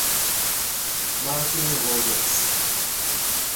Martin Rogers.